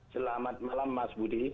selamat malam mas budi